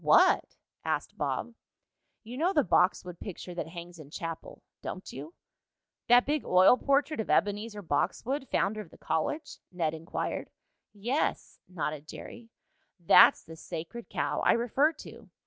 "What?" asked Bob. "You know the Boxwood picture that hangs in chapel; don't you?" "That big oil portrait of Ebenezer Boxwood, founder of the college?" Ned inquired. "Yes," nodded Jerry. "That's the sacred cow I refer to.